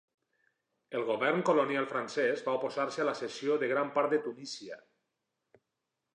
El govern colonial francès va oposar-se a la cessió de gran part de Tunisia.